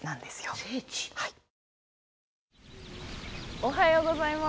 おはようございます。